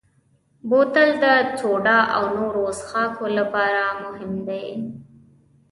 بوتل د سوډا او نورو څښاکو لپاره مهم دی.